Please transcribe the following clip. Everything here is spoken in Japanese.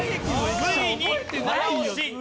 ついに早押し。